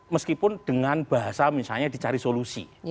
meskipun dengan bahasa misalnya dicari solusi